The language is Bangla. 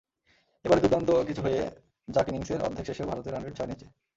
এবারে দুর্দান্ত কিছু হয়ে যাকইনিংসের অর্ধেক শেষেও ভারতের রানরেট ছয়ের নিচে।